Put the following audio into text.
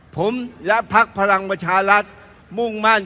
ผมและพักพลังประชารัฐมุ่งมั่น